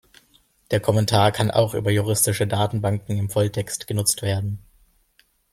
Der Kommentar kann auch über juristische Datenbanken im Volltext genutzt werden.